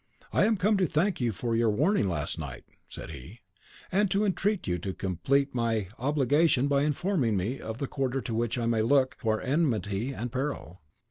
"I am come to thank you for your warning last night," said he, "and to entreat you to complete my obligation by informing me of the quarter to which I may look for enmity and peril."